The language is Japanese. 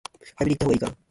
早めに行ったほうが良いかな？